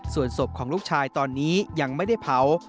ส่วนศพของลูกชายตอนนี้ยังไม่ได้เผา